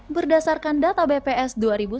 berdasarkan data bps dua ribu sembilan belas